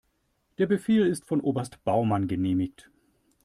Der Befehl ist von Oberst Baumann genehmigt.